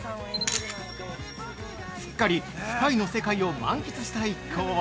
◆すっかりスパイの世界を満喫した一行は